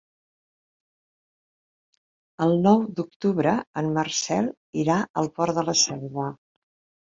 El nou d'octubre en Marcel irà al Port de la Selva.